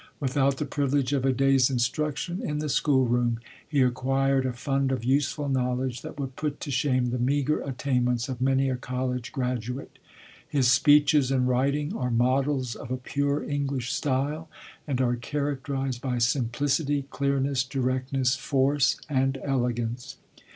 Without the privilege of a day's instruction in the schoolroom, he acquired a fund of useful knowledge that would put to shame the meager attainments of many a college graduate. His speeches and writing are models of a pure English style, and are characterized by simplicity, clearness, directness, force, and elegance.